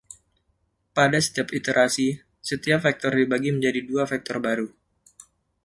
Pada setiap iterasi, setiap vektor dibagi menjadi dua vektor baru.